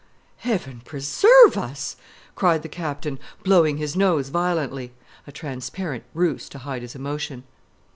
"Heaven preserve us!" cried the Captain, blowing his nose violently a transparent ruse to hide his emotion.